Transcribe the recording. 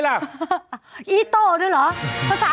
มิชุนา